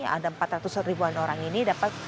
ada empat ratus ribuan orang ini dapat